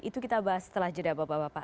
itu kita bahas setelah jeda bapak bapak